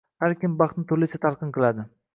Har kim baxtni turlicha talqin qiladi.